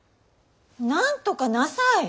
なんとかなさい！